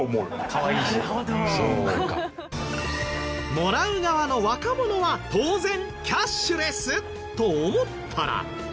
もらう側の若者は当然キャッシュレス！と思ったら。